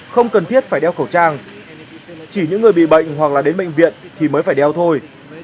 không cần thiết phải đeo khẩu trang chỉ những người bị bệnh hoặc là đến bệnh viện thì mới phải đeo thôi